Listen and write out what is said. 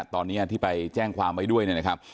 ตอนนี้ที่ไปแจ้งความไว้ด้วยนะครับ